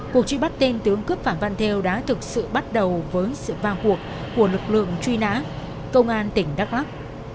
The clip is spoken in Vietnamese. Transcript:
cuộc truy bắt tên tướng cướp phạm văn thêu đã thực sự bắt đầu với sự vang cuộc của lực lượng truy nã công an tỉnh đắk lắk